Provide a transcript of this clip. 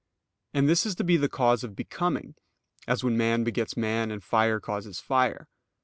_ And this is to be the cause of becoming, as when man begets man, and fire causes fire.